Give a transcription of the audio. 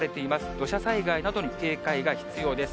土砂災害などに警戒が必要です。